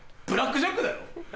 ブラックジャックだよ！